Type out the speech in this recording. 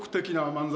漫才。